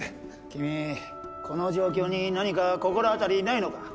君この状況に何か心当たりないのか？